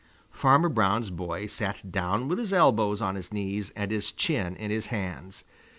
Farmer Brown's boy sat down with his elbows on his knees and his chin in his hands.